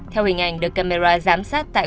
theo hình ảnh được camera giám sát tại